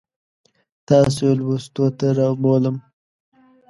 تاسو یې لوستو ته رابولم.